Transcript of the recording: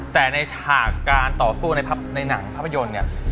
แต่ในฉากการต่อสู้ในหนังภาพยนตร์เนี่ย